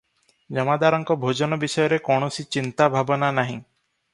ଜମାଦାରଙ୍କ ଭୋଜନ ବିଷୟରେ କୌଣସି ଚିନ୍ତା ଭାବନା ନାହିଁ ।